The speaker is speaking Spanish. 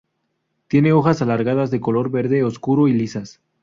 Tiene hojas alargadas de color verde oscuro y lisas.